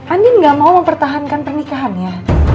andin gak mau mempertahankan pernikahannya